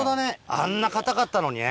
あんな硬かったのにね。